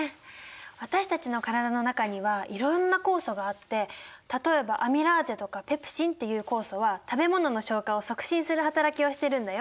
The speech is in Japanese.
私たちの体の中にはいろんな酵素があって例えばアミラーゼとかペプシンっていう酵素は食べ物の消化を促進するはたらきをしてるんだよ。